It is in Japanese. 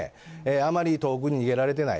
あまり遠くに逃げられてない。